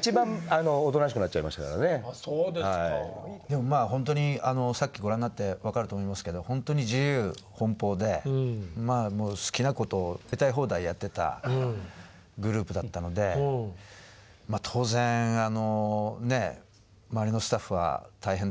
でもまあほんとにさっきご覧になって分かると思いますけどほんとに自由奔放で好きなことをやりたい放題やってたグループだったので当然周りのスタッフは大変だったと思うし。